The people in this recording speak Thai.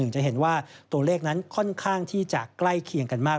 จะเห็นว่าตัวเลขนั้นค่อนข้างที่จะใกล้เคียงกันมาก